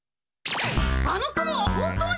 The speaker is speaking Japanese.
あの雲は本当にあるの！？